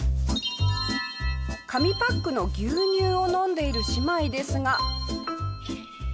紙パックの牛乳を飲んでいる姉妹ですが。